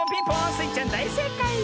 スイちゃんだいせいかい！